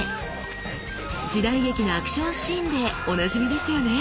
時代劇のアクションシーンでおなじみですよね。